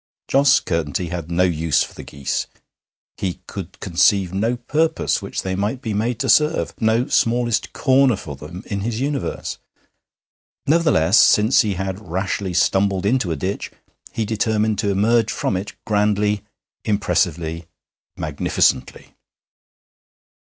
Jos Curtenty had no use for the geese; he could conceive no purpose which they might be made to serve, no smallest corner for them in his universe. Nevertheless, since he had rashly stumbled into a ditch, he determined to emerge from it grandly, impressively, magnificently.